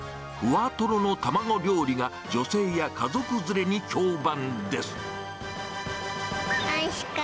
ふわとろの卵料理が女性や家族連れに評判です。